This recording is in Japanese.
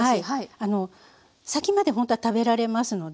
先までほんとは食べられますので。